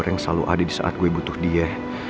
goreng selalu ada disaat gue butuh dia